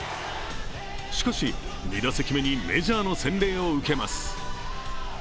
しかし、２打席目にメジャーの洗礼を受けます。